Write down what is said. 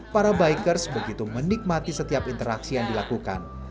para bikers begitu menikmati setiap interaksi yang dilakukan